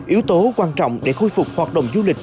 yếu tố quan trọng để khôi phục hoạt động du lịch